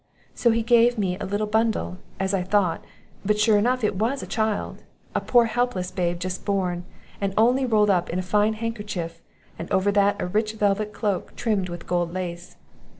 So he gave me a bundle, as I thought; but sure enough it was a child; a poor helpless babe just born, and only rolled up in a fine handkerchief, and over that a rich velvet cloak, trimmed with gold lace.